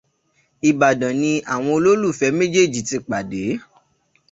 Ìbàdàn ni àwọn olólùfẹ́ méjèèjì ti pàdé.